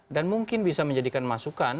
dan mungkin bisa menjadikan masukan